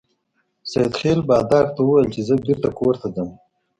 سید خپل بادار ته وویل چې زه بیرته کور ته ځم.